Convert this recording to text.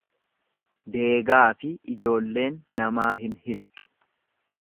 Deegaafi ijoolleen namaa hin hiltu.